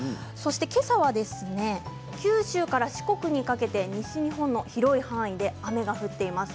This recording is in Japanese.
けさは九州から四国にかけて西日本の広い範囲で雨が降っています。